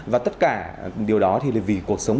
và tất cả điều đó thì vì cuộc sống